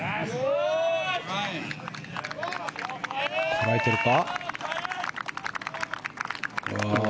こらえているか？